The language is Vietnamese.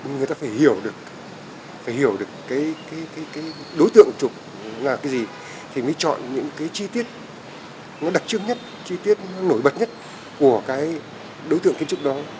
người ta phải hiểu được đối tượng chụp là cái gì thì mới chọn những chi tiết đặc trưng nhất chi tiết nổi bật nhất của đối tượng kiến trúc đó